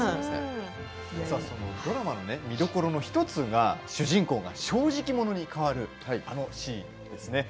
ドラマの見どころの１つが主人公が正直者に変わるあのシーンです。